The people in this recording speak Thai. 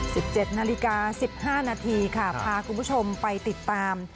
สิบเจ็ดนาฬิกาสิบห้านาทีค่ะพาคุณผู้ชมไปติดตาม